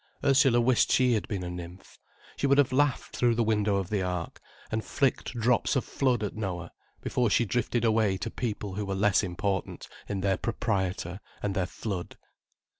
Ursula wished she had been a nymph. She would have laughed through the window of the ark, and flicked drops of the flood at Noah, before she drifted away to people who were less important in their Proprietor and their Flood.